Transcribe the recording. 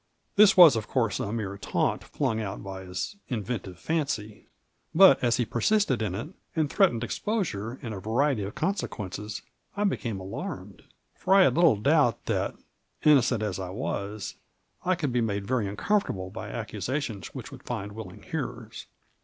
This was, of course, a mere taunt flung out by his in ventive fancy, but as he persisted in it, and threatened exposure and a variety of consequences, I became alarmed, for I had little doubt that, innocent as I was, Digitized by VjOOQIC MABJORT. 99 I could be made very nncomfortable by accusations which would find willing hearers.